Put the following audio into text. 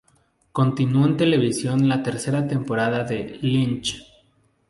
Continuó en televisión en la tercera temporada de "Lynch".